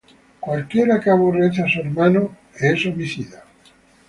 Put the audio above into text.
Cualquiera que aborrece á su hermano, es homicida;